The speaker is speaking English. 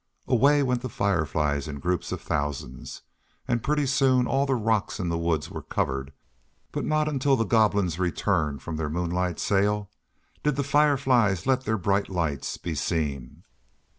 Away went the Fireflies in groups of thousands, and pretty soon all the rocks in the woods were covered; but not until the Goblins returned from their moonlight sail did the Fireflies let their bright lights be seen.